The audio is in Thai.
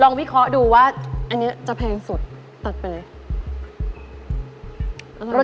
วิเคราะห์ดูว่าอันนี้จะแพงสุดตัดไปเลย